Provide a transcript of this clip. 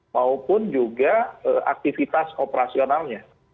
maupun juga aktivitas operasionalnya